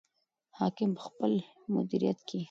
حاکم په خپل مدیریت کې.